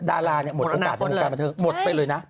ดาราหมดโอกาสในโครงการมาเถอะหมดไปเลยนะ